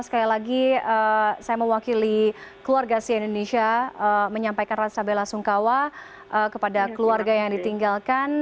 sekali lagi saya mewakili keluarga si indonesia menyampaikan rasa bela sungkawa kepada keluarga yang ditinggalkan